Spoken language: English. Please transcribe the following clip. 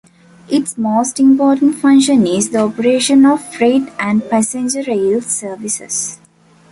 Its most important function is the operation of freight and passenger rail services.